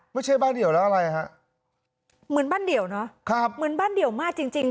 ไม่ใช่บ้านเดี่ยวแล้วอะไรฮะเหมือนบ้านเดี่ยวเนอะครับเหมือนบ้านเดี่ยวมากจริงจริง